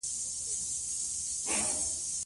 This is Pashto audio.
سرحدونه د افغانستان د اقلیم ځانګړتیا ده.